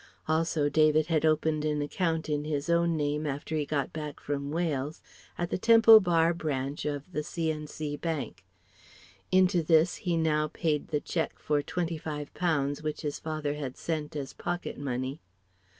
Also David had opened an account in his own name after he got back from Wales, at the Temple Bar Branch of the C. &. C. Bank. Into this he now paid the cheque for twenty five pounds which his father had sent as pocket money.